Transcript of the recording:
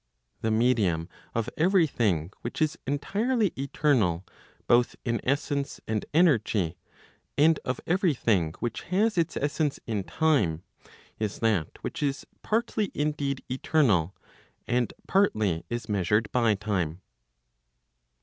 The medium of every thing which is entirely eternal both in essence and energy, and of every thing which has its essence in time, is that which is partly indeed eternal, and partly is measured by time.